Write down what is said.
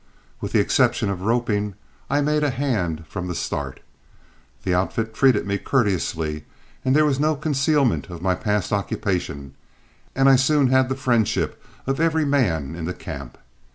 With the exception of roping, I made a hand from the start. The outfit treated me courteously, there was no concealment of my past occupation, and I soon had the friendship of every man in the camp.